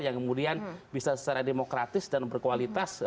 yang kemudian bisa secara demokratis dan berkualitas